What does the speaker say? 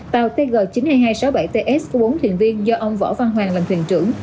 tàu tg chín mươi hai nghìn hai trăm sáu mươi bảy ts của bốn thuyền viên do ông võ văn hoàng làm thuyền trưởng